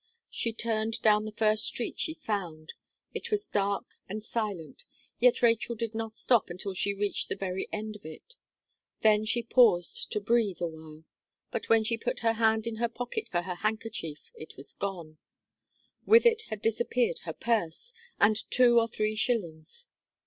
She turned down the first street she found; it was dark and silent, yet Rachel did not stop until she reached the very end of it; then she paused to breathe a while, but when she put her hand in her pocket for her handkerchief it was gone; with it had disappeared her purse, and two or three shillings.